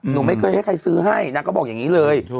หนูไม่เคยให้ใครซื้อให้นางก็บอกอย่างนี้เลย